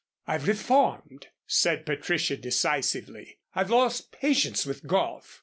"I've reformed," said Patricia, decisively. "I've lost patience with golf.